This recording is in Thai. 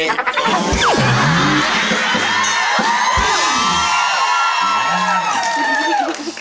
ครับ